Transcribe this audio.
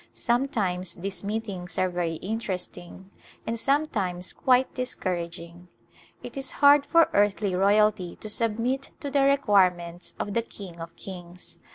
Sometimes these meetings are very interest ing and sometimes quite discouraging. It is hard for earthly royalty to submit to the requirements of the King of kings.